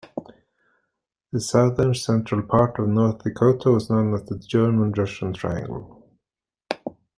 The southern central part of North Dakota was known as "the German-Russian triangle".